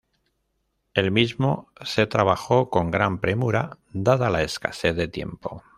El mismo se trabajó con gran premura dada la escasez de tiempo.